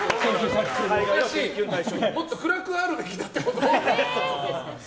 もっと暗くあるべきだってこと？